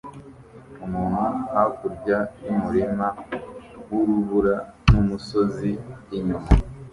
Umuntu hakurya yumurima wurubura numusozi inyuma